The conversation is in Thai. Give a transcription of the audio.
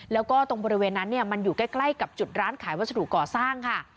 แล้วก็ตรงบริเวณนั้นมันอยู่ใกล้กับจุดร้านขายวัสดุก่อสร้างค่ะ